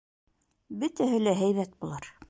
Бөтәһе лә һәйбәт булыр!